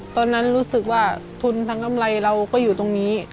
ตอนนั้นรู้สึกว่าทุนทั้งกำไรเราก็อยู่ตรงนี้